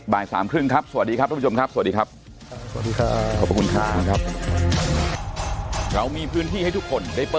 บ่ายสามครึ่งครับสวัสดีครับทุกผู้ชมครับสวัสดีครับ